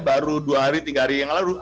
baru dua hari tiga hari yang lalu